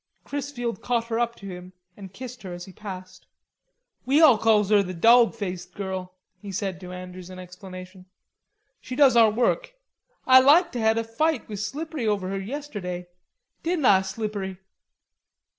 Chrisfield caught her up to him and kissed her, as he passed. "We all calls her the dawg faced girl," he said to Andrews in explanation. "She does our work. Ah like to had a fight with Slippery over her yisterday.... Didn't Ah, Slippery?"